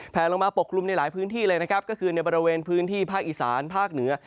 ลงมาปกคลุมในหลายพื้นที่เลยนะครับก็คือในบริเวณพื้นที่ภาคอีสานภาคเหนือ